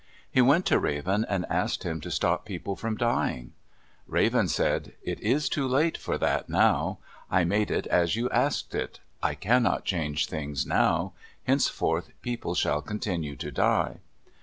He went to Raven and asked him to stop people from dying. Raven said, "It is too late for that now. I made it as you asked it. I cannot change things now. Henceforth people shall continue to die."